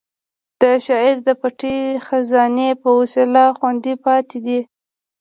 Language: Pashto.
دا شعر د پټې خزانې په وسیله خوندي پاتې دی.